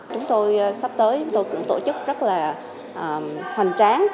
chúng tôi sắp tới cũng tổ chức rất là hoành tráng